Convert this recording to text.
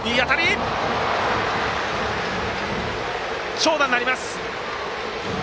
長打になります。